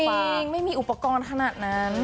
ไม่มีอุปกรณ์ขนาดนั้น